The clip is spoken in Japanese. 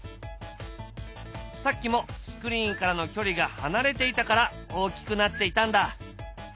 さっきもスクリーンからの距離が離れていたから大きくなっていたんだ。